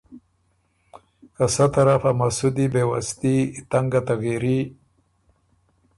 که سۀ طرف ا مسُودی بېوستي، تنګه تغیري